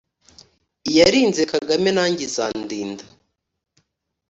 iyarinze Kagame nanjye izandinda